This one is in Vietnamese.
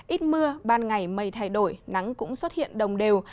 ít mưa ban ngày mây thay đổi nắng cũng xuất hiện đồng đều